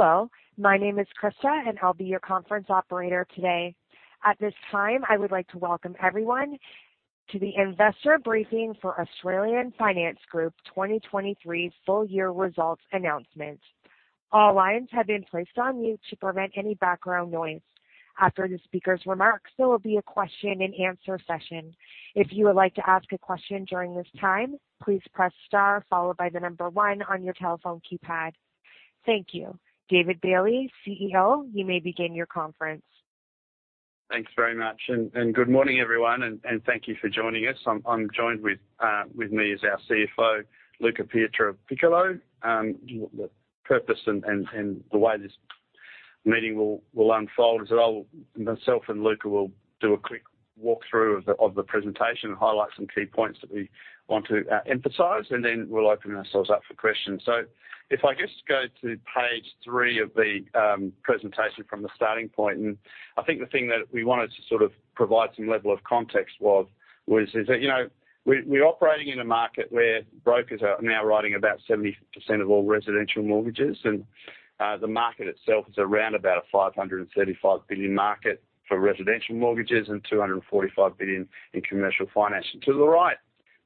Hello, my name is Krista, and I'll be your conference operator today. At this time, I would like to welcome everyone to the investor briefing for Australian Finance Group 2023 full year results announcement. All lines have been placed on mute to prevent any background noise. After the speaker's remarks, there will be a question and answer session. If you would like to ask a question during this time, please press star followed by the number one on your telephone keypad. Thank you. David Bailey, CEO, you may begin your conference. Thanks very much, and good morning, everyone, and thank you for joining us. I'm joined with... With me is our CFO, Luca Pietropiccolo. The purpose and the way this meeting will unfold is that I'll myself and Luca will do a quick walkthrough of the presentation and highlight some key points that we want to emphasize, and then we'll open ourselves up for questions. So if I just go to page three of the presentation from the starting point, and I think the thing that we wanted to sort of provide some level of context was, is that, you know, we're operating in a market where brokers are now writing about 70% of all residential mortgages, and the market itself is around about a 535 billion market for residential mortgages and 245 billion in commercial financing. To the right,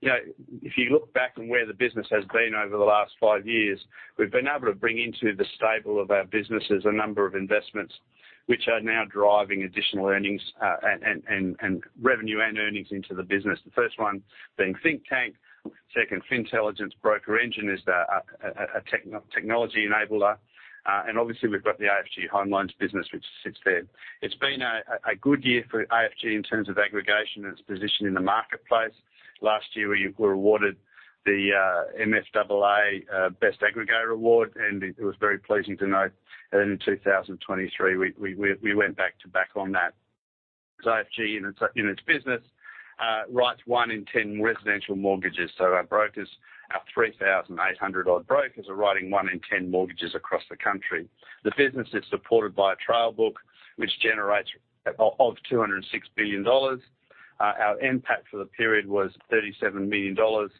you know, if you look back on where the business has been over the last five years, we've been able to bring into the stable of our businesses a number of investments which are now driving additional earnings and revenue and earnings into the business. The first one being Thinktank. Second, Fintelligence BrokerEngine is a technology enabler. Obviously, we've got the AFG Home Loans business, which sits there. It's been a good year for AFG in terms of aggregation and its position in the marketplace. Last year, we were awarded the MFAA Best Aggregator Award, and it was very pleasing to note that in 2023, we went back to back on that. AFG, in its business, writes one in ten residential mortgages, so our brokers, our 3,800-odd brokers, are writing one in ten mortgages across the country. The business is supported by a trial book, which generates 206 billion dollars. Our NPAT for the period was 37 million dollars,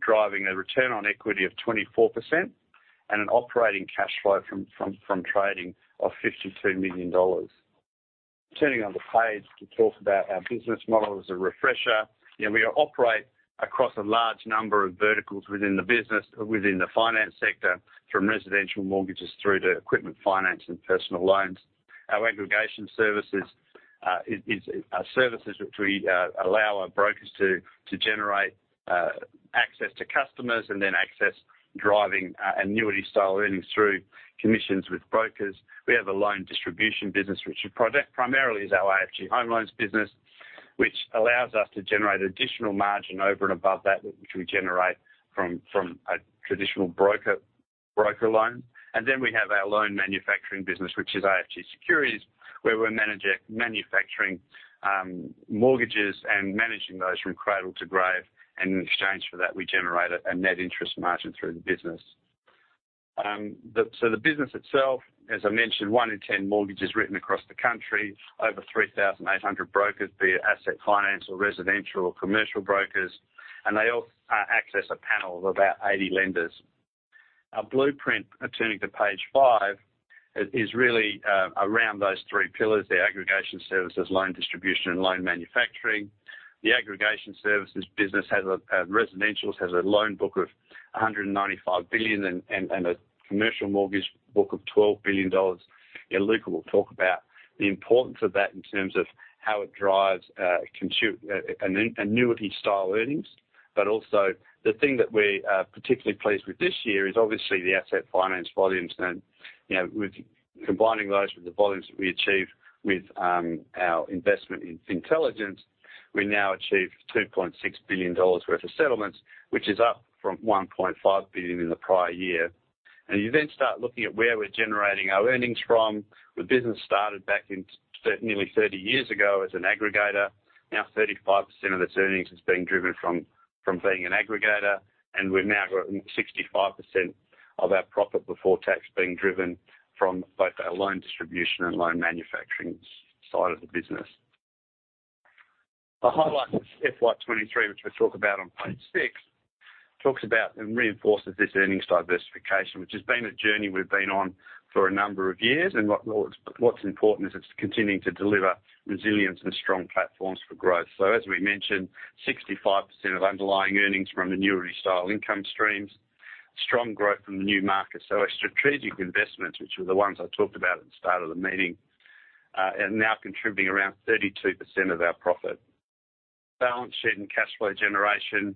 driving a return on equity of 24% and an operating cash flow from trading of 52 million dollars. Turning on the page to talk about our business model as a refresher, you know, we operate across a large number of verticals within the business, within the finance sector, from residential mortgages through to equipment finance and personal loans. Our aggregation services, Our services, which we allow our brokers to generate access to customers and then access driving annuity style earnings through commissions with brokers. We have a loan distribution business, which primarily is our AFG Home Loans business, which allows us to generate additional margin over and above that which we generate from a traditional broker loan. And then we have our loan manufacturing business, which is AFG Securities, where we're managing manufacturing mortgages and managing those from cradle to grave, and in exchange for that, we generate a net interest margin through the business. The... So the business itself, as I mentioned, one in ten mortgages written across the country, over 3,800 brokers, be it asset finance or residential or commercial brokers, and they all access a panel of about 80 lenders. Our blueprint, turning to page 5, is really around those three pillars, the aggregation services, loan distribution, and loan manufacturing. The aggregation services business has a residential loan book of 195 billion and a commercial mortgage book of 12 billion dollars. And Luca will talk about the importance of that in terms of how it drives annuity-style earnings. But also the thing that we're particularly pleased with this year is obviously the asset finance volumes. You know, with combining those with the volumes that we achieved with our investment in Fintelligence, we now achieve 2.6 billion dollars worth of settlements, which is up from 1.5 billion in the prior year. You then start looking at where we're generating our earnings from. The business started back in nearly 30 years ago as an aggregator. Now, 35% of its earnings is being driven from being an aggregator, and we've now got 65% of our profit before tax being driven from both our loan distribution and loan manufacturing side of the business. I highlight FY 2023, which we talk about on page 6. Talks about and reinforces this earnings diversification, which has been a journey we've been on for a number of years, and what's important is it's continuing to deliver resilience and strong platforms for growth. So as we mentioned, 65% of underlying earnings from annuity style income streams, strong growth from the new markets. So our strategic investments, which are the ones I talked about at the start of the meeting, are now contributing around 32% of our profit. Balance sheet and cash flow generation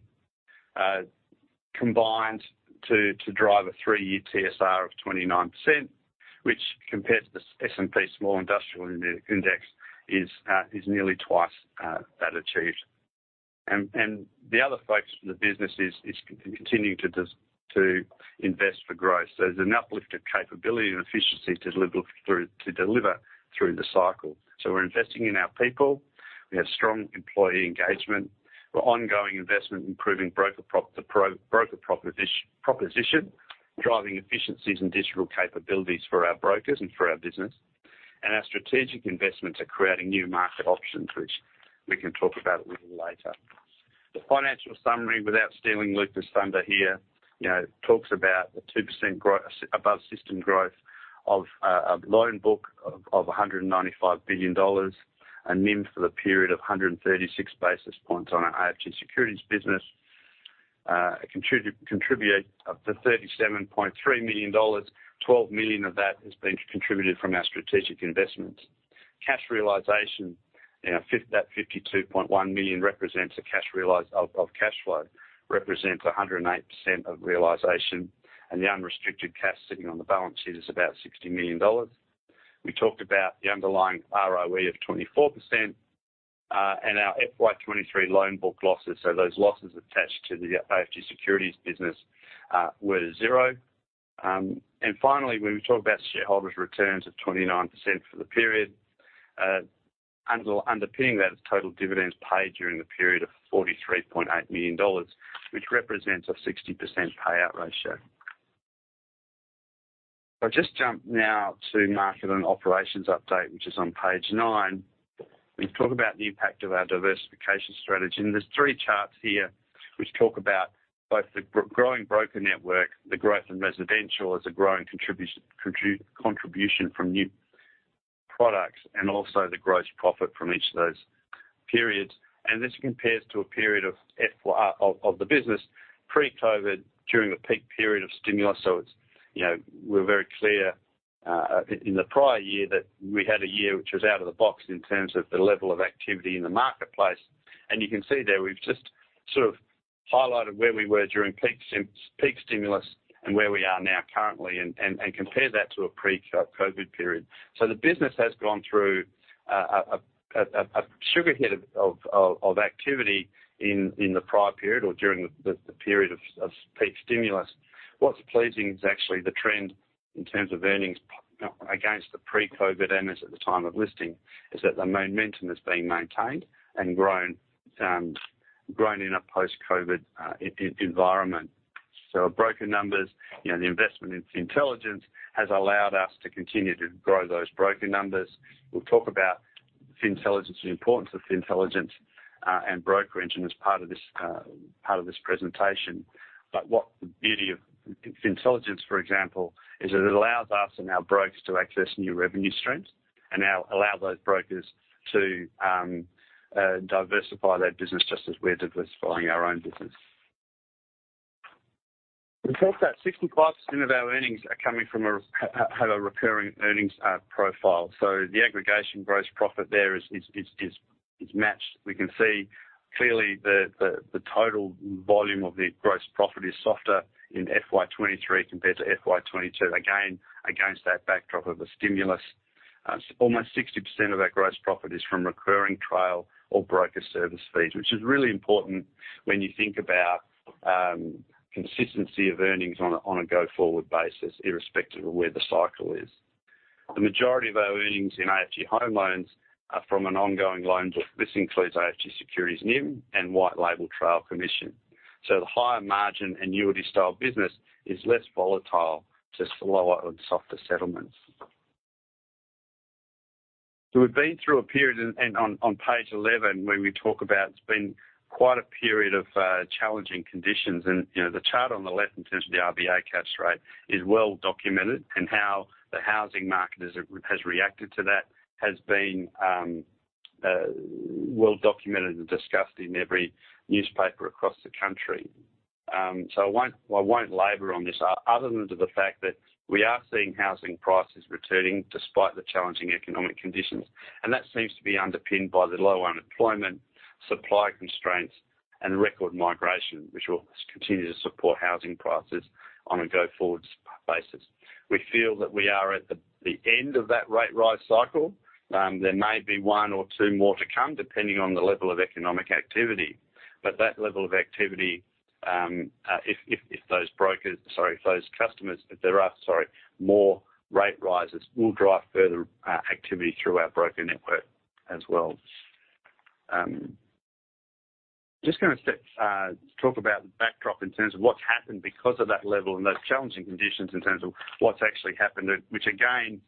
combined to drive a three-year TSR of 29%, which compared to the S&P Small Industrial Index, is nearly twice that achieved. The other focus for the business is continuing to invest for growth. So there's an uplift of capability and efficiency to deliver through the cycle. So we're investing in our people. We have strong employee engagement. We're ongoing investment, improving broker proposition, driving efficiencies and digital capabilities for our brokers and for our business. And our strategic investments are creating new market options, which we can talk about a little later... The financial summary, without stealing Luca's thunder here, you know, talks about the 2% growth, above system growth of a loan book of 195 billion dollars, a NIM for the period of 136 basis points on our AFG Securities business. Contribute up to 37.3 million dollars. 12 million of that has been contributed from our strategic investments. Cash realization, you know, that 52.1 million represents a cash realization of, of cash flow, represents 108% of realization, and the unrestricted cash sitting on the balance sheet is about 60 million dollars. We talked about the underlying ROE of 24%, and our FY 2023 loan book losses. So those losses attached to the AFG Securities business were zero. And finally, when we talk about shareholders' returns of 29% for the period, underpinning that total dividends paid during the period of 43.8 million dollars, which represents a 60% payout ratio. I'll just jump now to market and operations update, which is on page nine. We talk about the impact of our diversification strategy, and there's three charts here which talk about both the growing broker network, the growth in residential as a growing contribution from new products, and also the gross profit from each of those periods. And this compares to a period of FY of the business pre-COVID, during the peak period of stimulus. So it's, you know, we're very clear in the prior year, that we had a year which was out of the box in terms of the level of activity in the marketplace. And you can see there, we've just sort of highlighted where we were during peak stimulus and where we are now currently, and compare that to a pre-COVID period. So the business has gone through a sugar hit of activity in the prior period or during the period of peak stimulus. What's pleasing is actually the trend in terms of earnings against the pre-COVID earnings at the time of listing, is that the momentum has been maintained and grown, grown in a post-COVID environment. So our broker numbers, you know, the investment in Fintelligence has allowed us to continue to grow those broker numbers. We'll talk about Fintelligence, the importance of Fintelligence, and BrokerEngine as part of this part of this presentation. But what the beauty of Fintelligence, for example, is it allows us and our brokers to access new revenue streams and now allow those brokers to diversify their business just as we're diversifying our own business. We talked about 65% of our earnings are coming from having a recurring earnings profile. So the aggregation gross profit there is matched. We can see clearly the total volume of the gross profit is softer in FY 2023 compared to FY 2022. Again, against that backdrop of a stimulus, almost 60% of our gross profit is from recurring trail or broker service fees, which is really important when you think about consistency of earnings on a go-forward basis, irrespective of where the cycle is. The majority of our earnings in AFG Home Loans are from an ongoing loan book. This includes AFG Securities, NIM, and white label trail commission. So the higher margin annuity style business is less volatile to slower and softer settlements. So we've been through a period and on page eleven, where we talk about it's been quite a period of challenging conditions. And, you know, the chart on the left in terms of the RBA cash rate is well documented, and how the housing market has reacted to that has been well documented and discussed in every newspaper across the country. So I won't labor on this, other than the fact that we are seeing housing prices returning despite the challenging economic conditions. And that seems to be underpinned by the low unemployment, supply constraints, and record migration, which will continue to support housing prices on a go-forward basis. We feel that we are at the end of that rate rise cycle. There may be one or two more to come, depending on the level of economic activity. But that level of activity, if those customers, if there are more rate rises, will drive further activity through our broker network as well. Just gonna step, talk about the backdrop in terms of what's happened because of that level and those challenging conditions, in terms of what's actually happened, which again,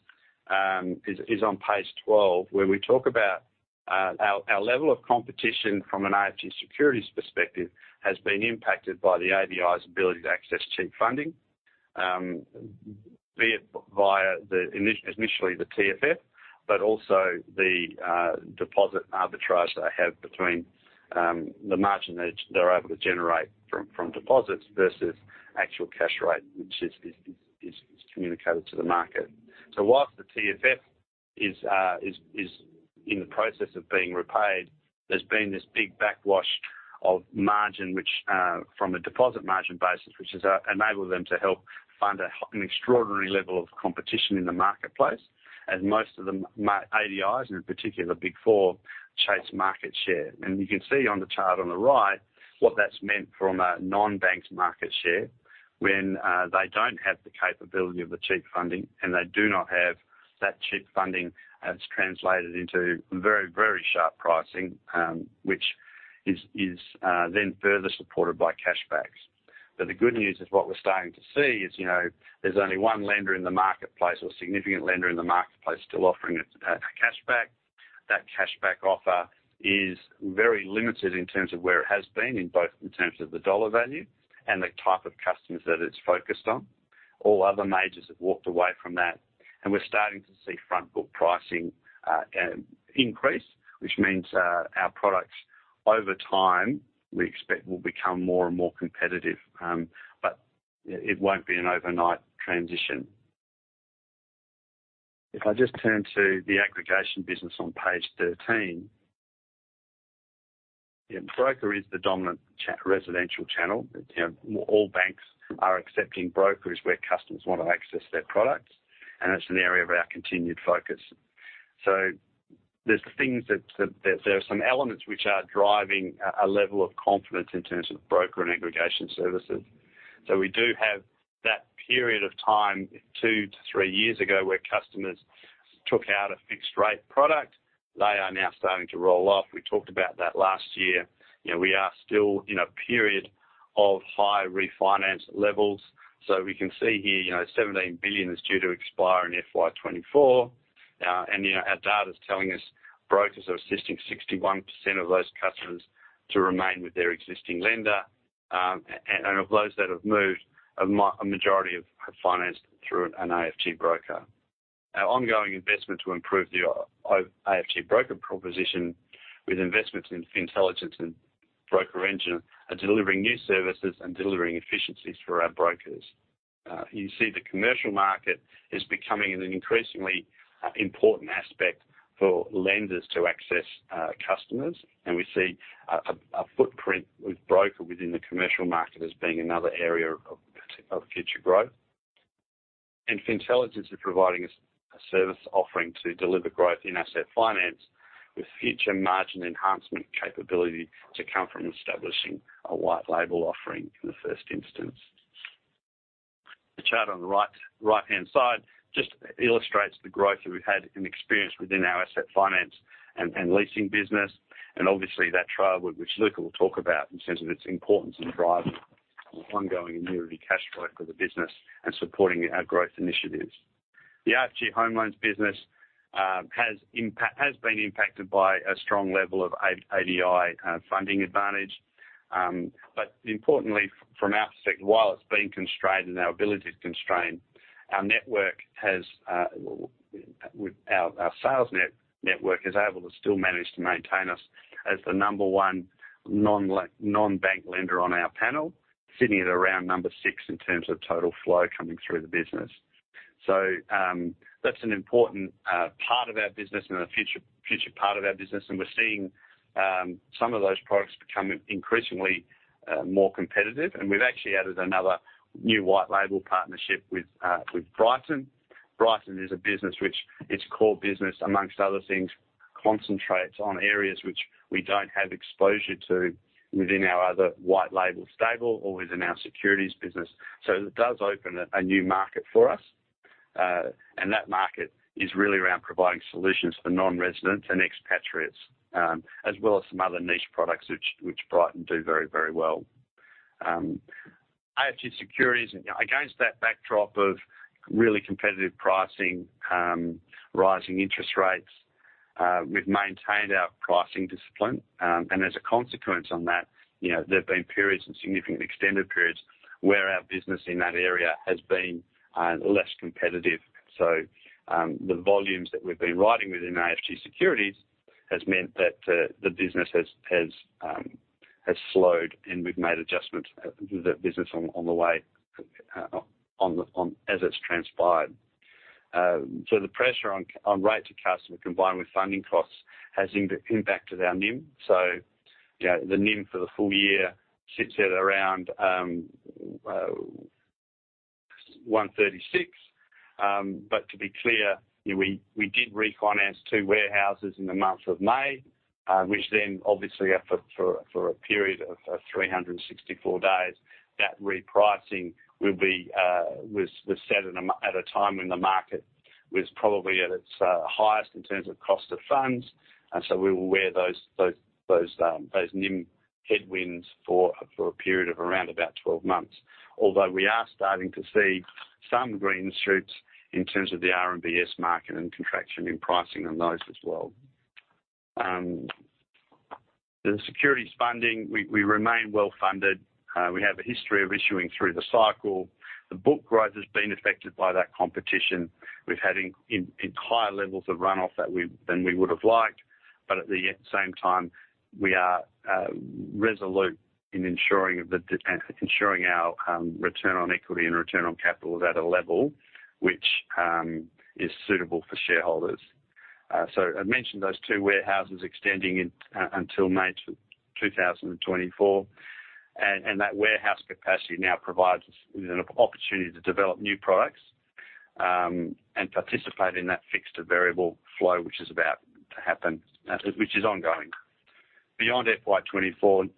is on page 12, where we talk about, our level of competition from an AFG Securities perspective, has been impacted by the ADI's ability to access cheap funding, be it via the initially, the TFF, but also the, deposit arbitrage they have between, the margin that they're able to generate from, deposits versus actual cash rate, which is communicated to the market. So while the TFF is in the process of being repaid, there's been this big backwash of margin, which, from a deposit margin basis, which has enabled them to help fund an extraordinary level of competition in the marketplace, as most of the ADIs, and in particular, the Big Four, chase market share. And you can see on the chart on the right what that's meant from a non-bank market share, when, they don't have the capability of the cheap funding, and they do not have that cheap funding, as translated into very, very sharp pricing, which is then further supported by cashbacks. But the good news is what we're starting to see is, you know, there's only one lender in the marketplace, or a significant lender in the marketplace, still offering a cashback. That cashback offer is very limited in terms of where it has been, in both in terms of the dollar value and the type of customers that it's focused on. All other majors have walked away from that, and we're starting to see front book pricing increase, which means our products, over time, we expect will become more and more competitive. But it won't be an overnight transition. If I just turn to the aggregation business on page 13. Yeah, broker is the dominant residential channel. You know, all banks are accepting brokers where customers want to access their products, and that's an area of our continued focus. So there's things that there are some elements which are driving a level of confidence in terms of broker and aggregation services. So we do have that period of time, 2-3 years ago, where customers took out a fixed rate product. They are now starting to roll off. We talked about that last year. You know, we are still in a period of high refinance levels, so we can see here, you know, 17 billion is due to expire in FY 2024. And, you know, our data is telling us brokers are assisting 61% of those customers to remain with their existing lender. And of those that have moved, a majority have financed through an AFG broker. Our ongoing investment to improve the AFG broker proposition, with investments in Fintelligence and BrokerEngine, are delivering new services and delivering efficiencies for our brokers. You see the commercial market is becoming an increasingly important aspect for lenders to access customers. We see a footprint with broker within the commercial market as being another area of future growth. Fintelligence is providing us a service offering to deliver growth in asset finance, with future margin enhancement capability to come from establishing a white label offering in the first instance. The chart on the right-hand side just illustrates the growth that we've had and experience within our asset finance and leasing business, and obviously, that trail, which Luca will talk about in terms of its importance in driving ongoing annuity cash flow for the business and supporting our growth initiatives. The AFG Home Loans business has been impacted by a strong level of ADI funding advantage. But importantly, from our perspective, while it's been constrained and our ability is constrained, our network has, with our sales network, is able to still manage to maintain us as the number 1 non-bank lender on our panel, sitting at around number 6 in terms of total flow coming through the business. So, that's an important part of our business and a future part of our business, and we're seeing some of those products become increasingly more competitive. And we've actually added another new white label partnership with Brighten. Brighten is a business which its core business, among other things, concentrates on areas which we don't have exposure to within our other white label stable or within our securities business. So it does open a new market for us, and that market is really around providing solutions for non-residents and expatriates, as well as some other niche products, which Brighten do very, very well. AFG Securities, against that backdrop of really competitive pricing, rising interest rates, we've maintained our pricing discipline, and as a consequence on that, you know, there have been periods and significantly extended periods, where our business in that area has been less competitive. So, the volumes that we've been writing within AFG Securities has meant that, the business has slowed, and we've made adjustments to the business as it's transpired. So the pressure on rate to customer, combined with funding costs, has impacted our NIM. So, you know, the NIM for the full year sits at around 1.36%. But to be clear, we did refinance two warehouses in the month of May, which then obviously for a period of 364 days, that repricing was set at a time when the market was probably at its highest in terms of cost of funds. And so we will wear those NIM headwinds for a period of around about 12 months. Although we are starting to see some green shoots in terms of the RMBS market and contraction in pricing on those as well. The securities funding, we remain well funded. We have a history of issuing through the cycle. The book growth has been affected by that competition. We've had higher levels of run-off than we would have liked, but at the same time, we are resolute in ensuring our return on equity and return on capital is at a level which is suitable for shareholders. So I mentioned those two warehouses extending until May 2024. And that warehouse capacity now provides us with an opportunity to develop new products and participate in that fixed to variable flow, which is about to happen, which is ongoing. Beyond FY 2024, you know,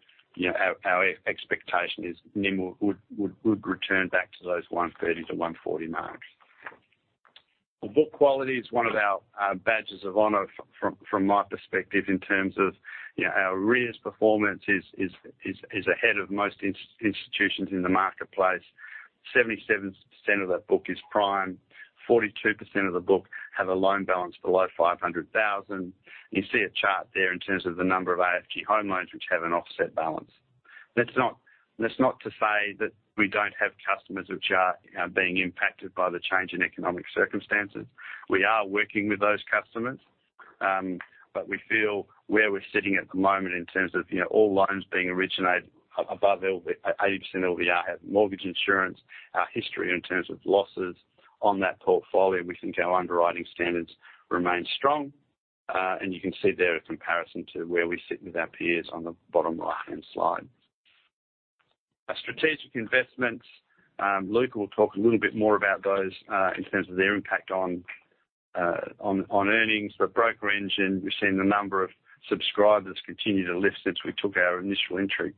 our expectation is NIM would return back to those 1.30%-1.40% marks. The book quality is one of our badges of honor from my perspective in terms of, you know, our arrears performance is ahead of most institutions in the marketplace. 77% of that book is prime. 42% of the book have a loan balance below 500,000. You see a chart there in terms of the number of AFG Home Loans which have an offset balance. That's not to say that we don't have customers which are being impacted by the change in economic circumstances. We are working with those customers, but we feel where we're sitting at the moment in terms of, you know, all loans being originated above 80% LVR have mortgage insurance. Our history in terms of losses on that portfolio, we think our underwriting standards remain strong, and you can see there a comparison to where we sit with our peers on the bottom right-hand side. Our strategic investments, Luca will talk a little bit more about those, in terms of their impact on earnings. But BrokerEngine, we've seen the number of subscribers continue to lift since we took our initial entry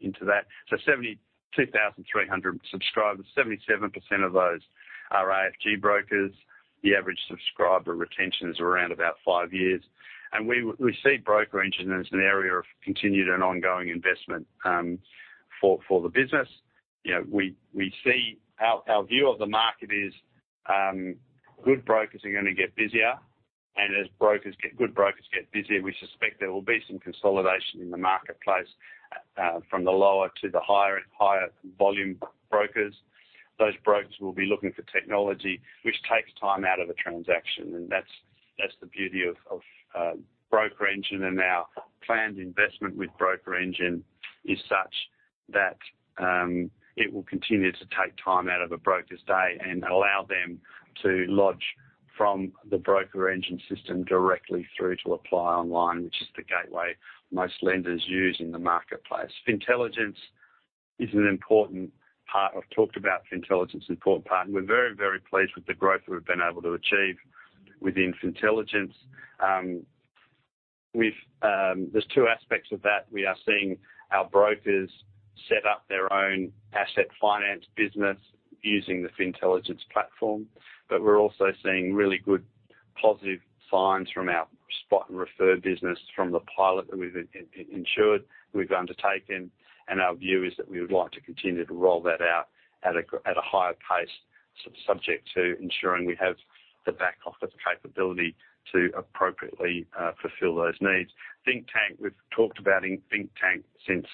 into that. So 72,300 subscribers, 77% of those are AFG brokers. The average subscriber retention is around about 5 years, and we see BrokerEngine as an area of continued and ongoing investment, for the business. You know, we see... Our view of the market is, good brokers are going to get busier, and as good brokers get busier, we suspect there will be some consolidation in the marketplace, from the lower to the higher and higher volume brokers. Those brokers will be looking for technology, which takes time out of a transaction, and that's the beauty of BrokerEngine. And our planned investment with BrokerEngine is such that, it will continue to take time out of a broker's day and allow them to lodge from the BrokerEngine system directly through to ApplyOnline, which is the gateway most lenders use in the marketplace. Fintelligence is an important part. I've talked about Fintelligence, important part, and we're very, very pleased with the growth that we've been able to achieve within Fintelligence. We've... There's two aspects of that. We are seeing our brokers set up their own asset finance business using the Fintelligence platform, but we're also seeing really good positive signs from our spot and refer business from the pilot that we've initiated, we've undertaken. Our view is that we would like to continue to roll that out at a higher pace, subject to ensuring we have the back office capability to appropriately fulfill those needs. Think Tank, we've talked about Think Tank since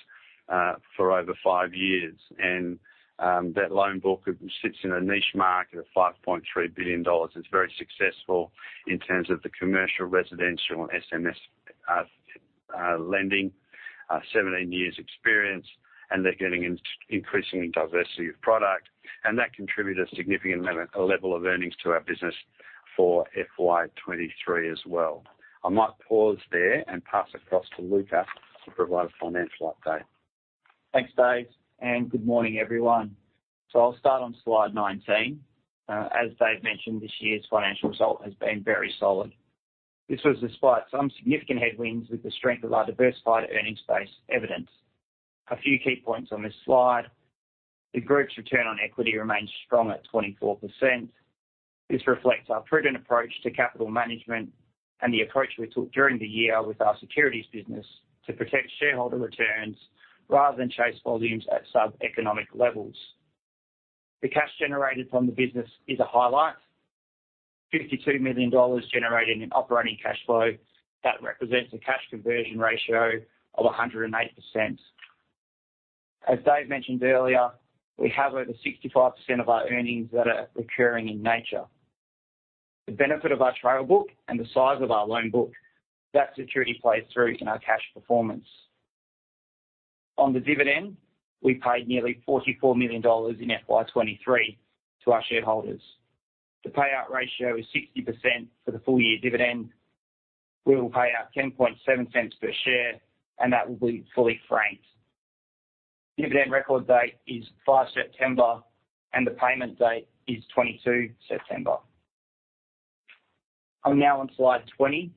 for over five years, and that loan book sits in a niche market of 5.3 billion dollars. It's very successful in terms of the commercial, residential, and SMSF lending. 17 years experience, and they're getting an increasingly diversity of product, and that contributed a significant level of earnings to our business for FY 2023 as well. I might pause there and pass across to Luca to provide a financial update. Thanks, Dave, and good morning, everyone. I'll start on slide 19. As Dave mentioned, this year's financial result has been very solid. This was despite some significant headwinds, with the strength of our diversified earnings base evidenced. A few key points on this slide. The group's return on equity remains strong at 24%. This reflects our prudent approach to capital management and the approach we took during the year with our securities business to protect shareholder returns, rather than chase volumes at sub-economic levels. The cash generated from the business is a highlight. 52 million dollars generated in operating cash flow, that represents a cash conversion ratio of 108%. As Dave mentioned earlier, we have over 65% of our earnings that are recurring in nature. The benefit of our trail book and the size of our loan book, that security plays through in our cash performance. On the dividend, we paid nearly 44 million dollars in FY 2023 to our shareholders. The payout ratio is 60% for the full year dividend. We will pay out 10.7 cents per share, and that will be fully franked. Dividend record date is 5 September, and the payment date is 22 September. I'm now on slide 20.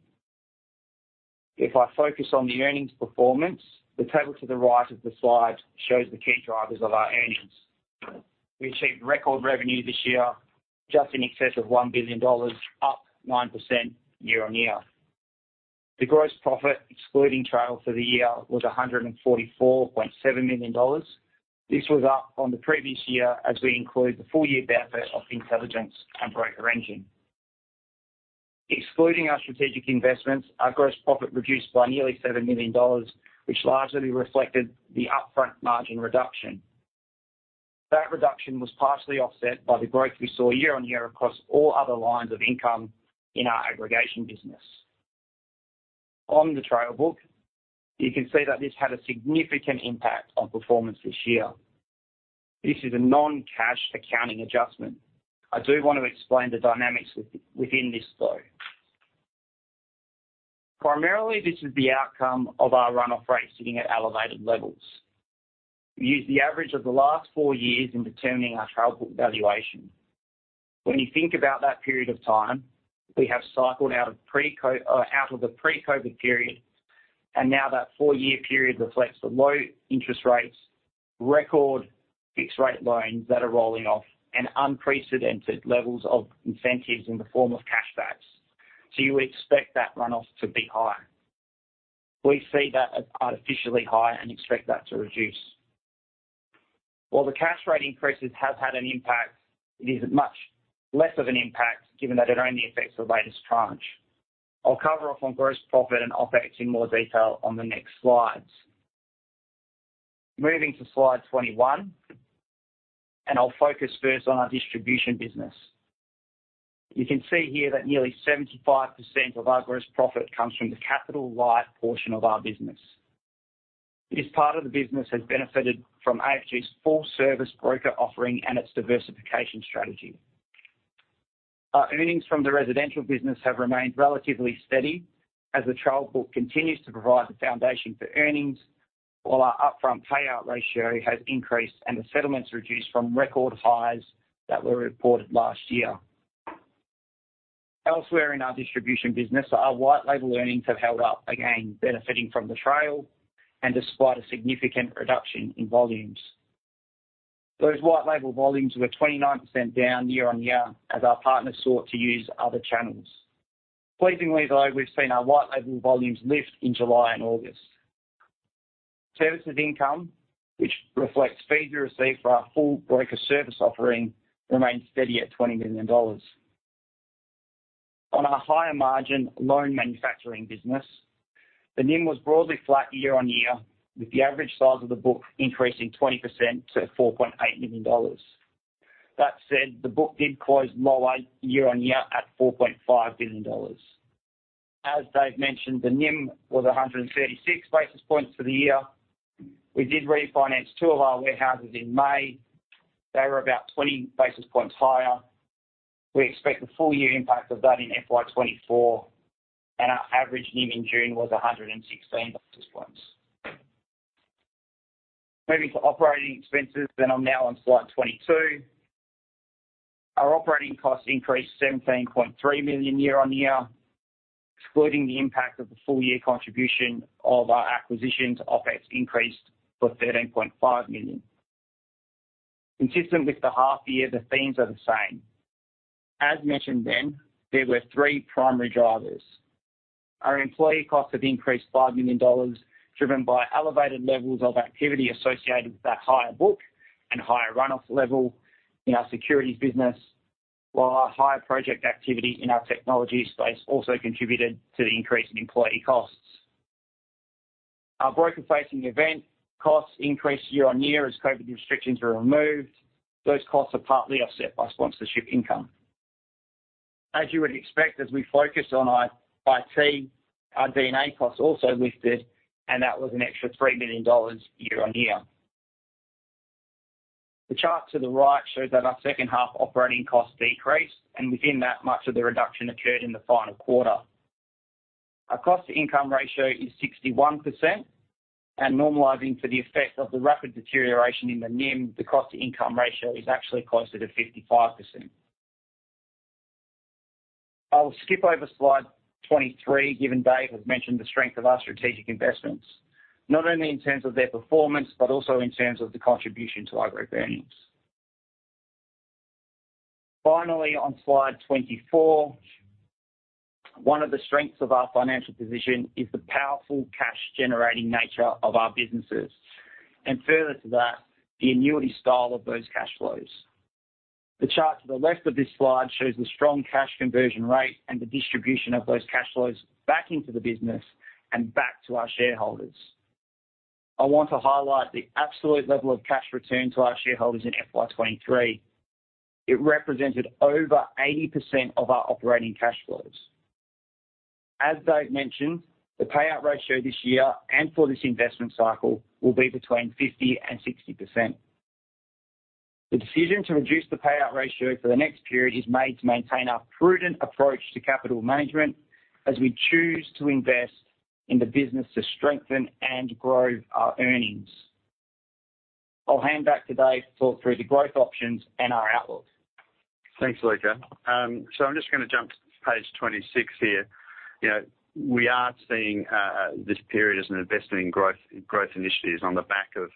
If I focus on the earnings performance, the table to the right of the slide shows the key drivers of our earnings. We achieved record revenue this year, just in excess of 1 billion dollars, up 9% year-on-year. The gross profit, excluding trail for the year, was 144.7 million dollars. This was up on the previous year, as we include the full year benefit of Fintelligence and BrokerEngine. Excluding our strategic investments, our gross profit reduced by nearly 7 million dollars, which largely reflected the upfront margin reduction. That reduction was partially offset by the growth we saw year-on-year across all other lines of income in our aggregation business. On the trail book, you can see that this had a significant impact on performance this year. This is a non-cash accounting adjustment. I do want to explain the dynamics within this, though. Primarily, this is the outcome of our run-off rate sitting at elevated levels. We use the average of the last four years in determining our trail book valuation. When you think about that period of time, we have cycled out of the pre-COVID period.... Now that four-year period reflects the low interest rates, record fixed rate loans that are rolling off, and unprecedented levels of incentives in the form of cash backs. You expect that runoff to be high. We see that as artificially high and expect that to reduce. While the cash rate increases have had an impact, it is much less of an impact, given that it only affects the latest tranche. I'll cover off on gross profit and OpEx in more detail on the next slides. Moving to slide 21, and I'll focus first on our distribution business. You can see here that nearly 75% of our gross profit comes from the capital light portion of our business. This part of the business has benefited from AFG's full-service broker offering and its diversification strategy. Our earnings from the residential business have remained relatively steady as the trail book continues to provide the foundation for earnings, while our upfront payout ratio has increased and the settlements reduced from record highs that were reported last year. Elsewhere in our distribution business, our white label earnings have held up, again, benefiting from the trail and despite a significant reduction in volumes. Those white label volumes were 29% down year-on-year as our partners sought to use other channels. Pleasingly, though, we've seen our white label volumes lift in July and August. Services income, which reflects fees we receive for our full broker service offering, remained steady at 20 million dollars. On our higher-margin loan manufacturing business, the NIM was broadly flat year-on-year, with the average size of the book increasing 20% to 4.8 million dollars. That said, the book did close lower year-on-year at 4.5 billion dollars. As Dave mentioned, the NIM was 136 basis points for the year. We did refinance two of our warehouses in May. They were about 20 basis points higher. We expect the full year impact of that in FY 2024, and our average NIM in June was 116 basis points. Moving to operating expenses, and I'm now on slide 22. Our operating costs increased 17.3 million year-on-year, excluding the impact of the full-year contribution of our acquisitions, OpEx increased to 13.5 million. Consistent with the half year, the themes are the same. As mentioned then, there were three primary drivers. Our employee costs have increased 5 million dollars, driven by elevated levels of activity associated with that higher book and higher runoff level in our securities business, while our higher project activity in our technology space also contributed to the increase in employee costs. Our broker-facing event costs increased year-on-year as COVID restrictions were removed. Those costs are partly offset by sponsorship income. As you would expect, as we focus on our IT, our D&A costs also lifted, and that was an extra 3 million dollars year-on-year. The chart to the right shows that our second half operating costs decreased, and within that, much of the reduction occurred in the final quarter. Our cost-to-income ratio is 61%, and normalizing for the effect of the rapid deterioration in the NIM, the cost-to-income ratio is actually closer to 55%. I'll skip over slide 23, given Dave has mentioned the strength of our strategic investments, not only in terms of their performance, but also in terms of the contribution to our group earnings. Finally, on slide 24, one of the strengths of our financial position is the powerful cash-generating nature of our businesses, and further to that, the annuity style of those cash flows. The chart to the left of this slide shows the strong cash conversion rate and the distribution of those cash flows back into the business and back to our shareholders. I want to highlight the absolute level of cash return to our shareholders in FY 2023. It represented over 80% of our operating cash flows. As Dave mentioned, the payout ratio this year and for this investment cycle will be between 50% and 60%. The decision to reduce the payout ratio for the next period is made to maintain our prudent approach to capital management as we choose to invest in the business to strengthen and grow our earnings. I'll hand back to Dave to talk through the growth options and our outlook. Thanks, Luca. So I'm just going to jump to page 26 here. You know, we are seeing this period as an investment in growth, growth initiatives on the back of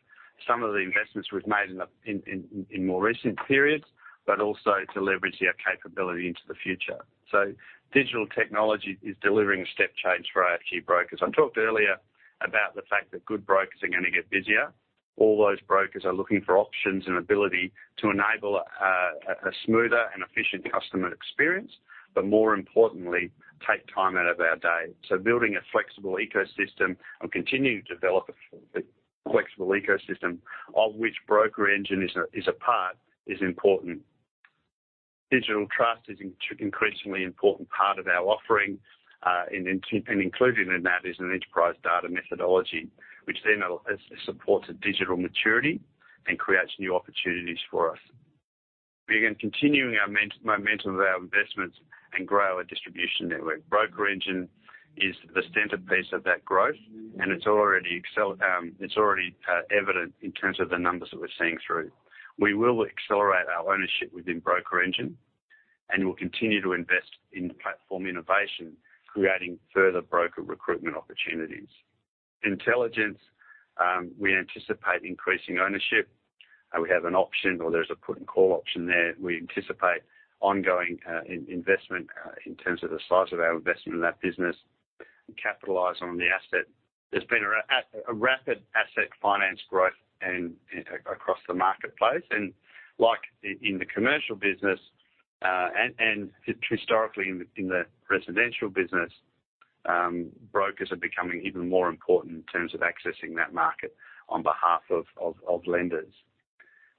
some of the investments we've made in more recent periods, but also to leverage our capability into the future. So digital technology is delivering a step change for AFG Brokers. I talked earlier about the fact that good brokers are going to get busier. All those brokers are looking for options and ability to enable a smoother and efficient customer experience, but more importantly, take time out of their day. So building a flexible ecosystem and continuing to develop a flexible ecosystem, of which BrokerEngine is a part, is important. Digital trust is an increasingly important part of our offering, and in... Included in that is an enterprise data methodology, which then supports a digital maturity and creates new opportunities for us. We are continuing our momentum of our investments and grow our distribution network. BrokerEngine is the centerpiece of that growth, and it's already evident in terms of the numbers that we're seeing through. We will accelerate our ownership within BrokerEngine and we'll continue to invest in platform innovation, creating further broker recruitment opportunities. Fintelligence, we anticipate increasing ownership, and we have an option, or there's a put and call option there. We anticipate ongoing investment in terms of the size of our investment in that business and capitalize on the asset. There's been a rapid asset finance growth and across the marketplace, and like in the commercial business, and historically in the residential business, brokers are becoming even more important in terms of accessing that market on behalf of lenders.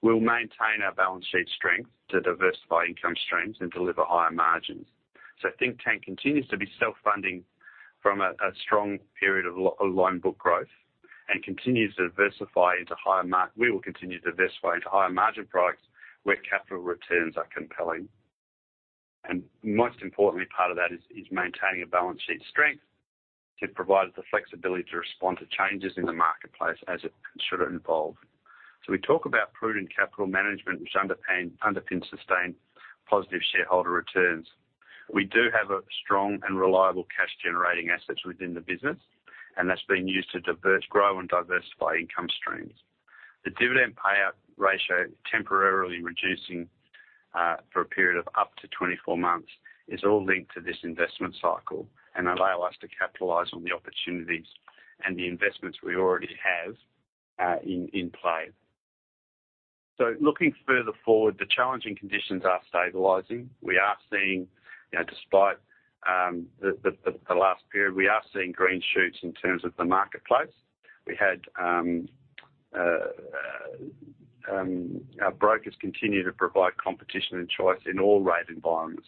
We'll maintain our balance sheet strength to diversify income streams and deliver higher margins. So Think Tank continues to be self-funding from a strong period of loan book growth, and continues to diversify into higher margin products where capital returns are compelling. And most importantly, part of that is maintaining a balance sheet strength to provide us the flexibility to respond to changes in the marketplace as it should evolve. So we talk about prudent capital management, which underpins sustained positive shareholder returns. We do have a strong and reliable cash-generating assets within the business, and that's being used to divert, grow, and diversify income streams. The dividend payout ratio temporarily reducing for a period of up to 24 months is all linked to this investment cycle and allow us to capitalize on the opportunities and the investments we already have in play. So looking further forward, the challenging conditions are stabilizing. We are seeing, you know, despite the last period, we are seeing green shoots in terms of the marketplace. We had our brokers continue to provide competition and choice in all rate environments.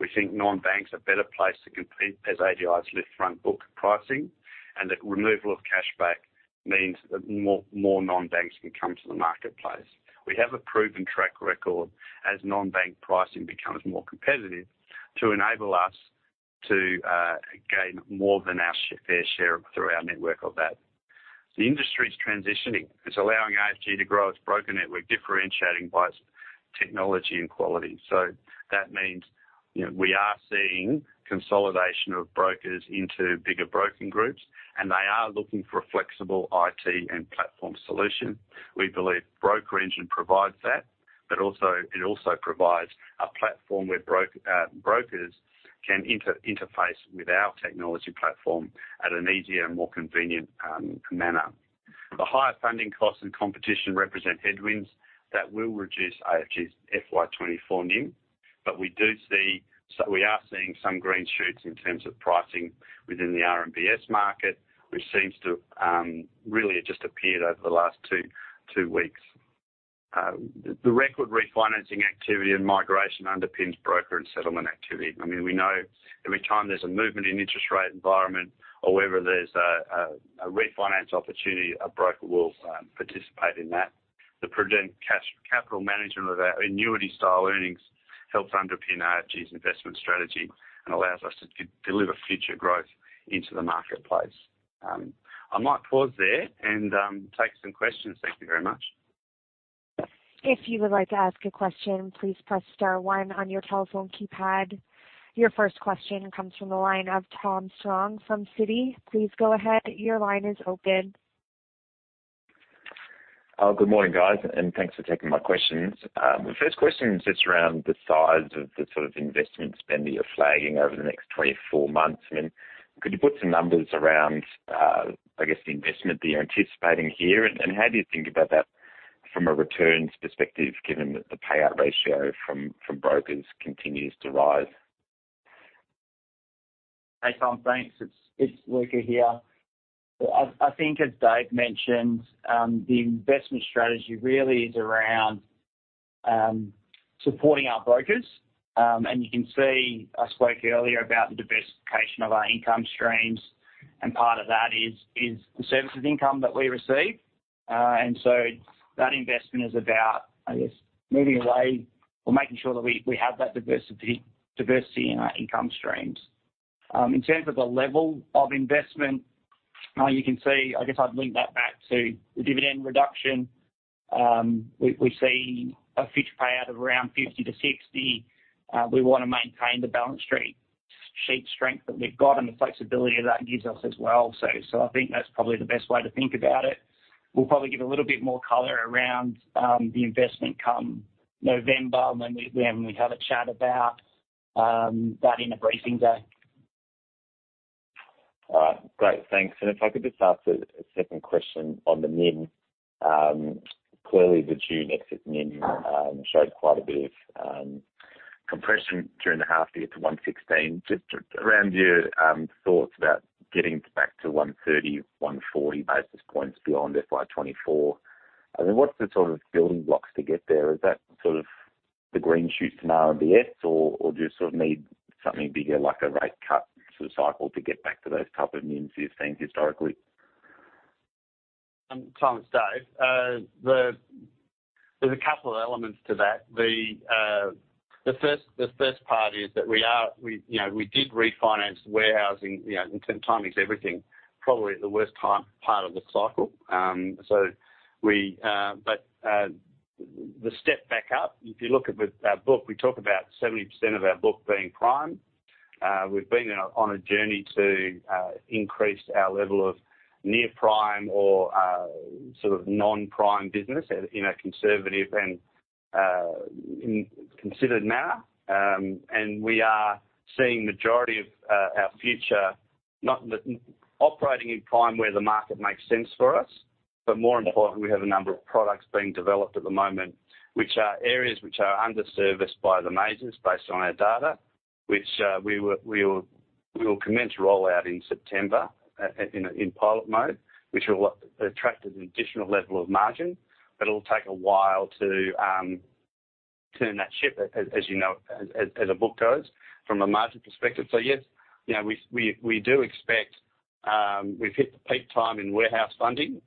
We think non-banks are better placed to compete as ADIs lift front book pricing, and the removal of cashback means that more non-banks can come to the marketplace. We have a proven track record as non-bank pricing becomes more competitive, to enable us to gain more than our fair share through our network of that. The industry is transitioning. It's allowing AFG to grow its broker network, differentiating by technology and quality. So that means, you know, we are seeing consolidation of brokers into bigger broking groups, and they are looking for a flexible IT and platform solution. We believe BrokerEngine provides that, but also, it also provides a platform where brokers can interface with our technology platform at an easier and more convenient manner. The higher funding costs and competition represent headwinds that will reduce AFG's FY24 NIM, but we do see... So we are seeing some green shoots in terms of pricing within the RMBS market, which seems to, really, it just appeared over the last two, two weeks. The record refinancing activity and migration underpins broker and settlement activity. I mean, we know every time there's a movement in interest rate environment or wherever there's a refinance opportunity, a broker will participate in that. The prudent cash-capital management of our annuity style earnings helps underpin AFG's investment strategy and allows us to deliver future growth into the marketplace. I might pause there and take some questions. Thank you very much. If you would like to ask a question, please press star one on your telephone keypad. Your first question comes from the line of Tom Strong from Citi. Please go ahead. Your line is open. Good morning, guys, and thanks for taking my questions. The first question is just around the size of the sort of investment spend that you're flagging over the next 24 months. I mean, could you put some numbers around, I guess, the investment that you're anticipating here? And how do you think about that from a returns perspective, given that the payout ratio from brokers continues to rise? Hey, Tom. Thanks. It's Luca here. I think as Dave mentioned, the investment strategy really is around supporting our brokers. And you can see, I spoke earlier about the diversification of our income streams, and part of that is the services income that we receive. And so that investment is about, I guess, moving away or making sure that we have that diversity in our income streams. In terms of the level of investment, you can see, I guess I'd link that back to the dividend reduction. We see a future payout of around 50-60. We want to maintain the balance sheet strength that we've got and the flexibility that gives us as well. So I think that's probably the best way to think about it. We'll probably give a little bit more color around the investment come November, and then we have a chat about that in a briefing day. All right. Great, thanks. And if I could just ask a second question on the NIM. Clearly, the June exit NIM showed quite a bit of compression during the half to get to 116. Just around your thoughts about getting back to 130, 140 basis points beyond FY 2024, I mean, what's the sort of building blocks to get there? Is that sort of the green shoots in RMBS, or do you sort of need something bigger, like a rate cut sort of cycle to get back to those type of NIMs you've seen historically? Tom, it's Dave. There's a couple of elements to that. The first part is that we are, we, you know, we did refinance warehousing, you know, and timing is everything, probably the worst time, part of the cycle. So we, but the step back up, if you look at our book, we talk about 70% of our book being prime. We've been on a journey to increase our level of near-prime or sort of non-prime business in a conservative and in considered manner. And we are seeing majority of our future, not operating in prime where the market makes sense for us, but more importantly, we have a number of products being developed at the moment, which are areas which are underserviced by the majors, based on our data, which we will commence rollout in September, in pilot mode, which will attract an additional level of margin. But it'll take a while to turn that ship, as you know, as a book goes from a margin perspective. So yes, you know, we do expect, we've hit the peak time in warehouse funding.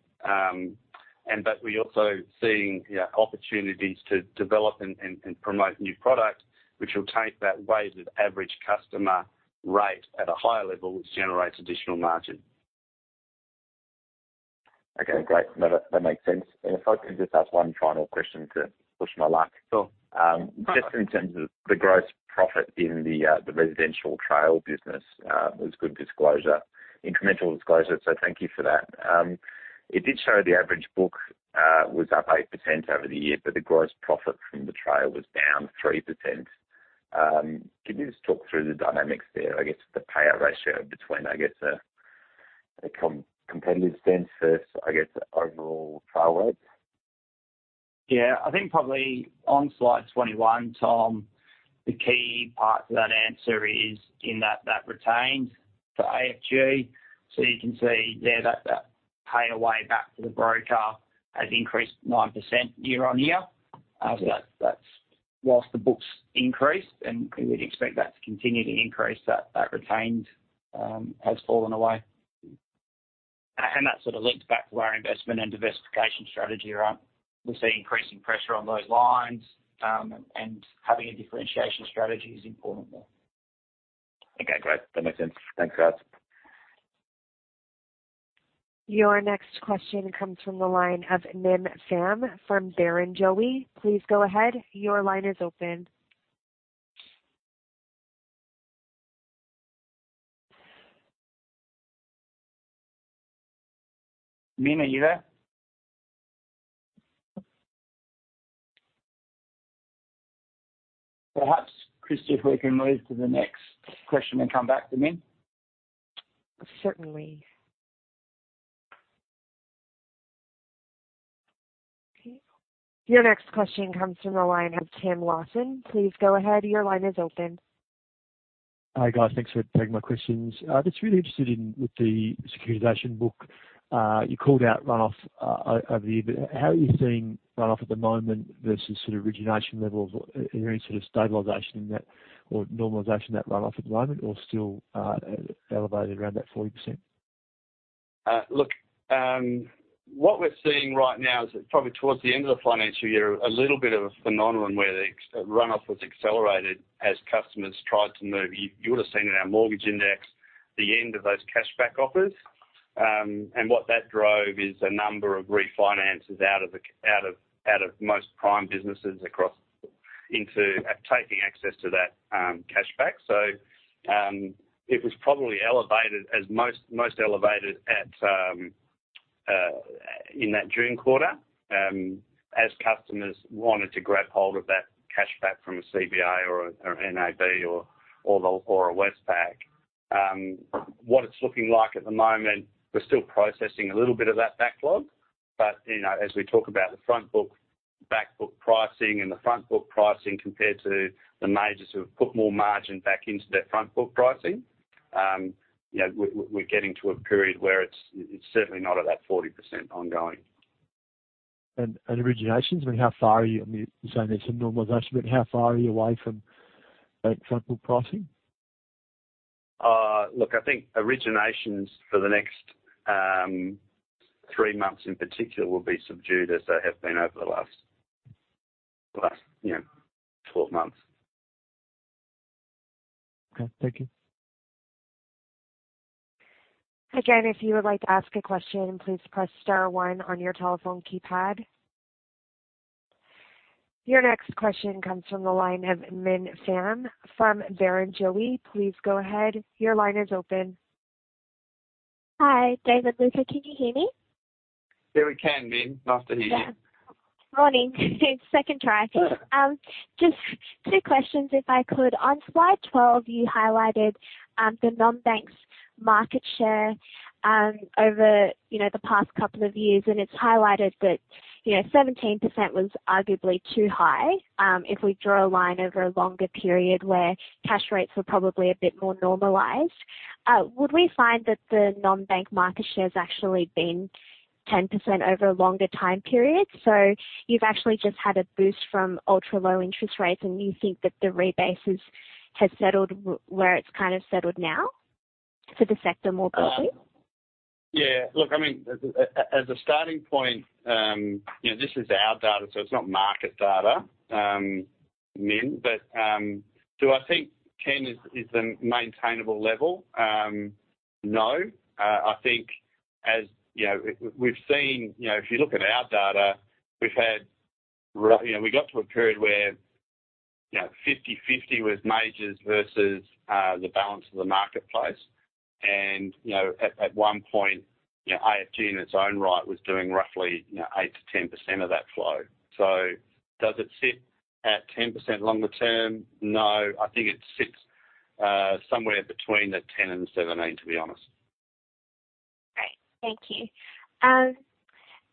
And but we're also seeing, yeah, opportunities to develop and promote new product, which will take that weighted average customer rate at a higher level, which generates additional margin. Okay, great. That makes sense. If I could just ask one final question to push my luck. Sure. Just in terms of the gross profit in the residential trail business, it was good disclosure, incremental disclosure, so thank you for that. It did show the average book was up 8% over the year, but the gross profit from the trail was down 3%. Can you just talk through the dynamics there, I guess, the payout ratio between, I guess, a competitive sense versus, I guess, overall trail wide? Yeah, I think probably on slide 21, Tom, the key part to that answer is in that retained for AFG. So you can see there that pay away back to the broker has increased 9% year-on-year. So that's whilst the books increased, and we'd expect that to continue to increase, that retained has fallen away. And that sort of links back to our investment and diversification strategy around, we see increasing pressure on those lines, and having a differentiation strategy is important there. Okay, great. That makes sense. Thanks, guys. Your next question comes from the line of Minh Pham from Barrenjoey. Please go ahead. Your line is open. Minh, are you there? Perhaps, Krista, if we can move to the next question and come back to Minh. Certainly. Okay, your next question comes from the line of Tim Lawson. Please go ahead, your line is open. Hi, guys. Thanks for taking my questions. I was just really interested in with the securitization book. You called out runoff over the year, but how are you seeing runoff at the moment versus sort of origination levels? Any sort of stabilization in that or normalization of that runoff at the moment or still elevated around that 40%? Look, what we're seeing right now is probably towards the end of the financial year, a little bit of a phenomenon where the excess runoff was accelerated as customers tried to move. You would have seen in our mortgage index the end of those cashback offers. And what that drove is a number of refinances out of most prime businesses across into taking access to that cashback. So, it was probably elevated, most elevated in that June quarter, as customers wanted to grab hold of that cashback from a CBA or an NAB or a Westpac. What it's looking like at the moment, we're still processing a little bit of that backlog, but, you know, as we talk about the Front Book, Back Book pricing, and the Front Book pricing compared to the majors who have put more margin back into their Front Book pricing, you know, we're getting to a period where it's certainly not at that 40% ongoing. And originations, I mean, how far are you, I mean, you're saying there's some normalization, but how far are you away from that front book pricing? Look, I think originations for the next three months in particular will be subdued as they have been over the last, you know, 12 months. Okay, thank you. Again, if you would like to ask a question, please press star one on your telephone keypad. Your next question comes from the line of Minh Pham from Barrenjoey. Please go ahead. Your line is open. Hi, David Luca, can you hear me? Yeah, we can, Min. Nice to hear you. Morning. Second try, I think. Just two questions if I could. On slide 12, you highlighted the non-banks market share over, you know, the past couple of years, and it's highlighted that, you know, 17% was arguably too high. If we draw a line over a longer period where cash rates were probably a bit more normalized, would we find that the non-bank market share has actually been 10% over a longer time period? So you've actually just had a boost from ultra-low interest rates, and you think that the rebases has settled where it's kind of settled now for the sector more broadly? Yeah, look, I mean, as a, as a starting point, you know, this is our data, so it's not market data. Min, but, do I think 10 is the maintainable level? No. I think as, you know, we've seen, you know, if you look at our data, we've had, you know, we got to a period where, you know, 50/50 with majors versus the balance of the marketplace. And, you know, at, at one point, you know, AFG in its own right was doing roughly, you know, 8%-10% of that flow. So does it sit at 10% longer term? No, I think it sits somewhere between the 10-17, to be honest. Great. Thank you.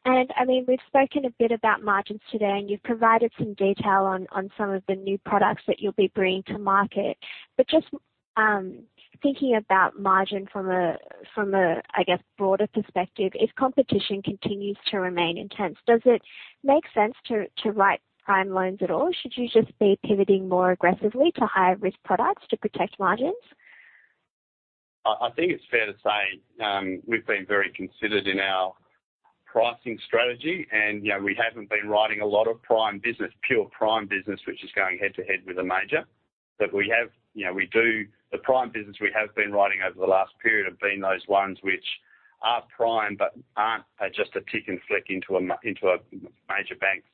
I mean, we've spoken a bit about margins today, and you've provided some detail on some of the new products that you'll be bringing to market. But just, thinking about margin from a, from a, I guess, broader perspective, if competition continues to remain intense, does it make sense to write prime loans at all? Should you just be pivoting more aggressively to higher risk products to protect margins? I think it's fair to say, we've been very considered in our pricing strategy, and, you know, we haven't been writing a lot of prime business, pure prime business, which is going head-to-head with a major. But we have, you know, we do the prime business we have been writing over the last period have been those ones which are prime, but aren't just a tick and flick into a major bank's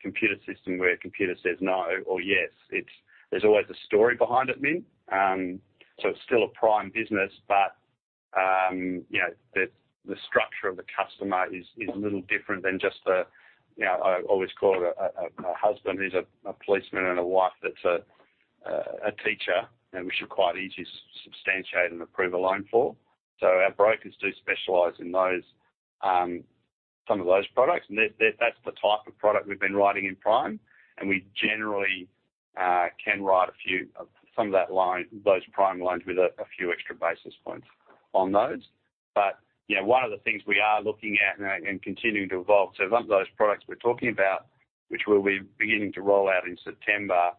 computer system, where a computer says no or yes. It's. There's always a story behind it, Min. So it's still a prime business, but, you know, the structure of the customer is a little different than just a, you know, I always call it a husband who's a policeman and a wife that's a teacher, and we should quite easy substantiate and approve a loan for. So our brokers do specialize in those, some of those products, and that's the type of product we've been writing in Prime, and we generally can write a few of some of that line, those prime loans with a few extra basis points on those. But, you know, one of the things we are looking at and continuing to evolve, so some of those products we're talking about, which we'll be beginning to roll out in September,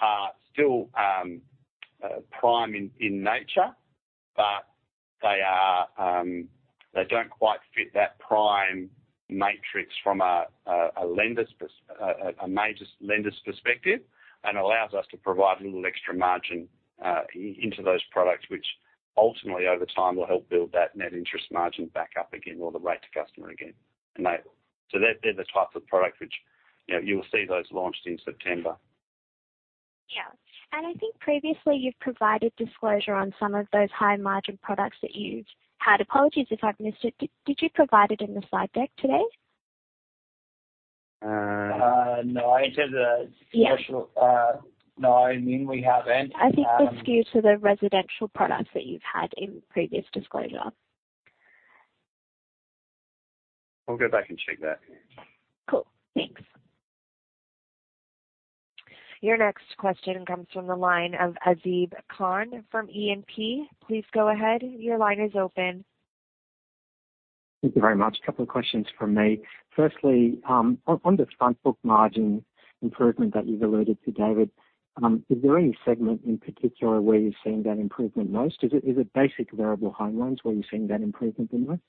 are still prime in nature, but they are, they don't quite fit that prime matrix from a major lender's perspective and allows us to provide a little extra margin into those products, which ultimately, over time, will help build that Net Interest Margin back up again or the rate to customer again. So they're the types of products which, you know, you will see those launched in September. Yeah, and I think previously you've provided disclosure on some of those high-margin products that you've had. Apologies if I've missed it. Did you provide it in the slide deck today? No, I did a- Yeah. No, I mean, we haven't. I think it's skewed to the residential products that you've had in previous disclosure. I'll go back and check that. Cool, thanks. Your next question comes from the line of Azib Khan from E&P. Please go ahead. Your line is open. Thank you very much. A couple of questions from me. Firstly, on the front book margin improvement that you've alluded to, David, is there any segment in particular where you're seeing that improvement most? Is it basic variable home loans where you're seeing that improvement most?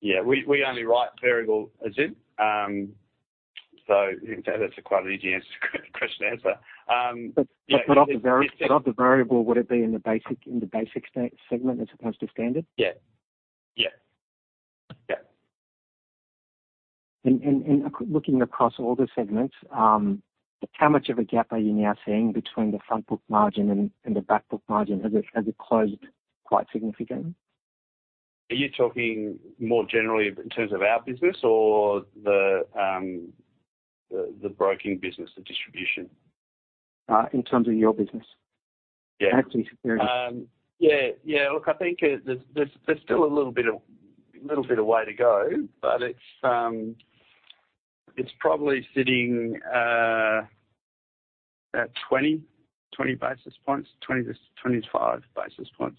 Yeah, we only write variable, Azib. So that's quite an easy answer, question, answer. But of the variable, would it be in the basic segment, as opposed to standard? Yeah. Yeah. Yeah. Looking across all the segments, how much of a gap are you now seeing between the front book margin and the back book margin? Has it closed quite significantly? Are you talking more generally in terms of our business or the broking business, the distribution? In terms of your business. Yeah. Actually, yeah. Yeah, yeah. Look, I think there's still a little bit of way to go, but it's probably sitting at 20 basis points, 20-25 basis points.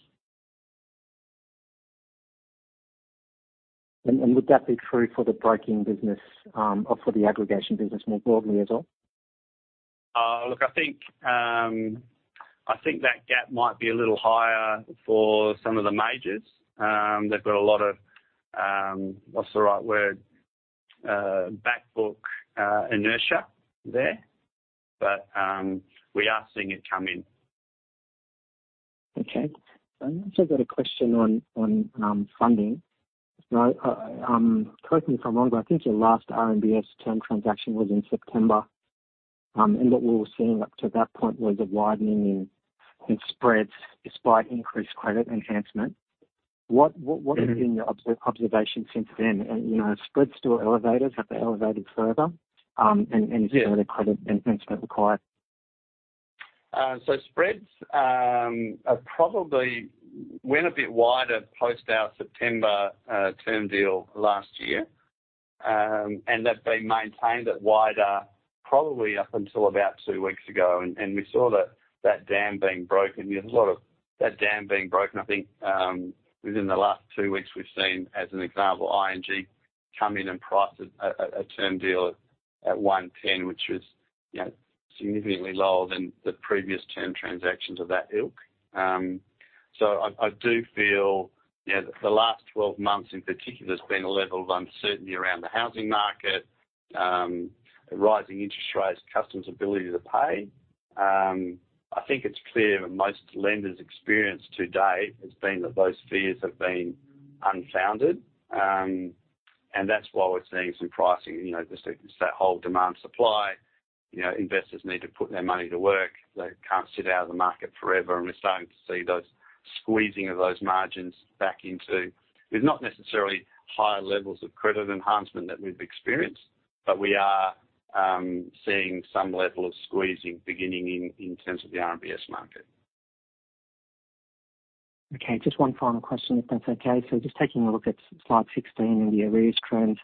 And would that be true for the broking business, or for the aggregation business more broadly as well? Look, I think, I think that gap might be a little higher for some of the majors. They've got a lot of, what's the right word? Back book inertia there, but we are seeing it come in. Okay. I've also got a question on funding. Now, correct me if I'm wrong, but I think your last RMBS term transaction was in September. And what we were seeing up to that point was a widening in spreads despite increased credit enhancement. What- Mm-hmm. has been your observation since then? And, you know, are spreads still elevated, have they elevated further, and- Yeah. Any further credit enhancement required? So spreads are probably went a bit wider post our September term deal last year. And they've been maintained at wider, probably up until about 2 weeks ago, and we saw that dam being broken. There's a lot of that dam being broken, I think, within the last 2 weeks, we've seen, as an example, ING come in and price a term deal at 110, which was, you know, significantly lower than the previous term transactions of that ilk. So I do feel, you know, the last 12 months in particular, there's been a level of uncertainty around the housing market, rising interest rates, customers' ability to pay. I think it's clear that most lenders' experience to date has been that those fears have been unfounded. That's why we're seeing some pricing, you know, just that whole demand, supply. You know, investors need to put their money to work. They can't sit out of the market forever, and we're starting to see those squeezing of those margins back into with not necessarily higher levels of credit enhancement that we've experienced, but we are seeing some level of squeezing beginning in terms of the RMBS market. Okay, just one final question, if that's okay. So just taking a look at slide 16 and the arrears trends,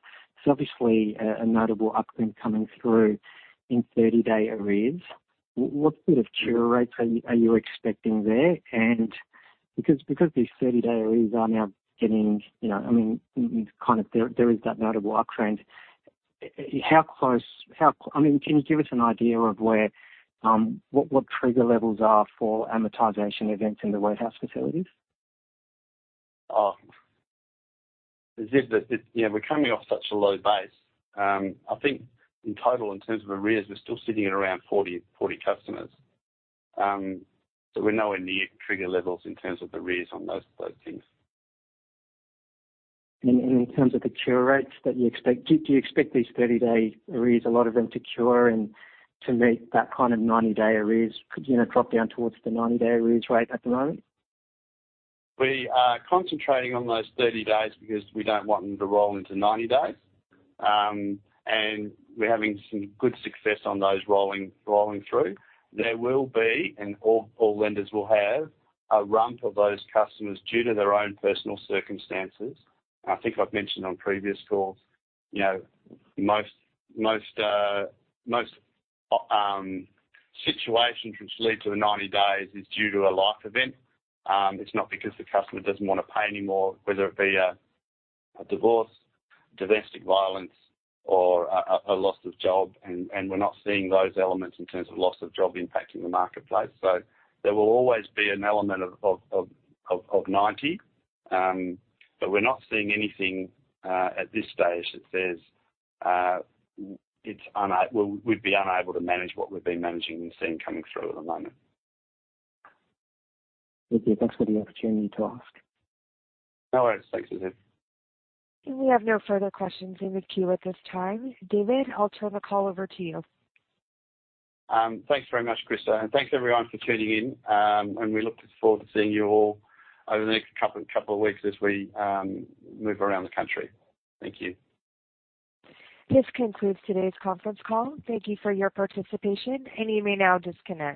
there's obviously a notable uptrend coming through in 30-day arrears. What bit of cure rates are you expecting there? And because these 30-day arrears are now getting, you know, I mean, kind of there, there is that notable uptrend. How close, how... I mean, can you give us an idea of where, what trigger levels are for amortization events in the warehouse facilities? Oh, is it that, you know, we're coming off such a low base. I think in total, in terms of arrears, we're still sitting at around 40, 40 customers. So we're nowhere near trigger levels in terms of arrears on those, those things. In terms of the cure rates that you expect, do you expect these 30-day arrears, a lot of them, to cure and to meet that kind of 90-day arrears? Could, you know, drop down towards the 90-day arrears rate at the moment? We are concentrating on those 30 days because we don't want them to roll into 90 days. And we're having some good success on those rolling through. There will be, and all lenders will have, a rump of those customers due to their own personal circumstances. I think I've mentioned on previous calls, you know, most situations which lead to 90 days is due to a life event. It's not because the customer doesn't want to pay anymore, whether it be a loss of job, and we're not seeing those elements in terms of loss of job impacting the marketplace. So there will always be an element of 90, but we're not seeing anything at this stage that says we'd be unable to manage what we've been managing and seeing coming through at the moment. Okay. Thanks for the opportunity to ask. No worries. Thanks, Azib. We have no further questions in the queue at this time. David, I'll turn the call over to you. Thanks very much, Krista, and thanks, everyone, for tuning in. We look forward to seeing you all over the next couple of weeks as we move around the country. Thank you. This concludes today's conference call. Thank you for your participation, and you may now disconnect.